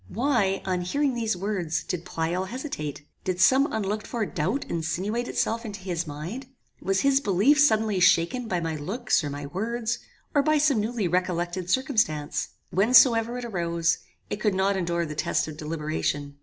Why, on hearing these words, did Pleyel hesitate? Did some unlooked for doubt insinuate itself into his mind? Was his belief suddenly shaken by my looks, or my words, or by some newly recollected circumstance? Whencesoever it arose, it could not endure the test of deliberation.